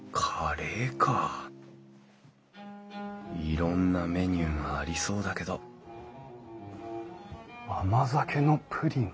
いろんなメニューがありそうだけど甘酒のプリン。